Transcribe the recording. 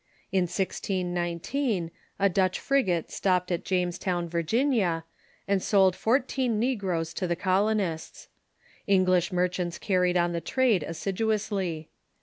In 1619, a Dutch frigate stopped at Jamestown, Virginia, and sold fourteen negroes to the ''^' colonists. English merchants carried on the trade assid uously.